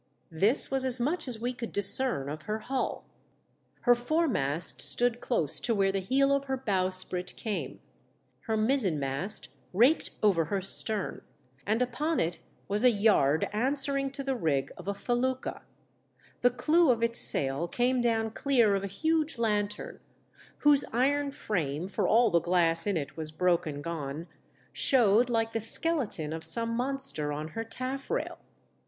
This was as much as we could discern of her hull. Her foremast stood close to where the heel of her bowsprit came ; her mizzen mast raked over her stern, and upon it was a yard answering to the rig of a felucca ; the clew of its sail came down clear of a huge lanthorn whose iron frame, for all the glass in it was broke and gone, showed like the skeleton of some monster on her taffrail.